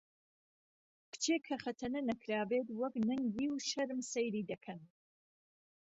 کچێک کە خەتەنە نەکرابێت وەک نەنگی و شەرم سەیری دەکەن